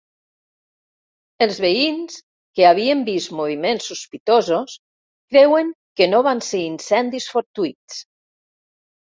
Els veïns, que havien vist moviments sospitosos, creuen que no van ser incendis fortuïts.